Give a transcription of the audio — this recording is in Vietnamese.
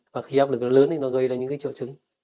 và khi áp lực lớn thì nó gây ra những triệu chứng